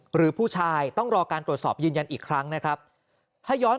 หรือผู้ชายต้องรอการตรวจสอบยืนยันอีกครั้งนะครับถ้าย้อน